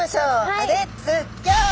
レッツギョー！